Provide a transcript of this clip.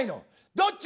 どっち？